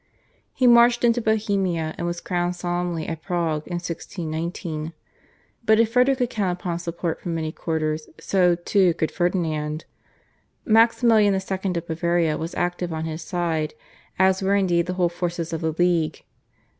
He marched into Bohemia, and was crowned solemnly at Prague in 1619. But if Frederick could count upon support from many quarters so, too, could Ferdinand. Maximilian II. of Bavaria was active on his side, as were indeed the whole forces of the /League